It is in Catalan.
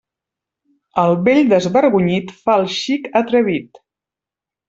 El vell desvergonyit fa el xic atrevit.